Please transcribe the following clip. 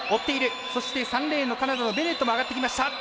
そして、３レーンのカナダのベネットも上がってきました。